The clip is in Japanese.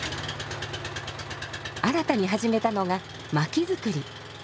新たに始めたのが薪づくり。